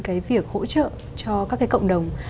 cái việc hỗ trợ cho các cái cộng đồng